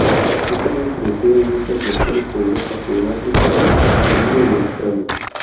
Ha sido introducida en muchas regiones de Europa, Suráfrica, la India y Australia.